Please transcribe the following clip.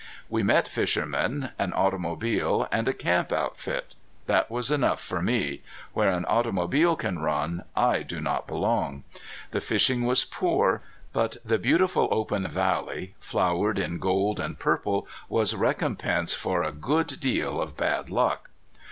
We met fishermen, an automobile, and a camp outfit. That was enough for me. Where an automobile can run, I do not belong. The fishing was poor. But the beautiful open valley, flowered in gold and purple, was recompense for a good deal of bad luck.